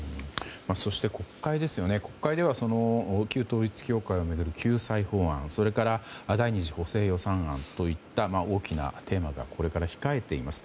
そして国会では旧統一教会を巡る救済法案、それから第２次補正予算案といった大きなテーマがこれから控えています。